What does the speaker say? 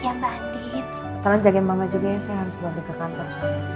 setelah jagain mama jagainnya saya harus pergi ke kantor